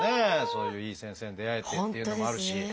そういういい先生に出会えてっていうのもあるし。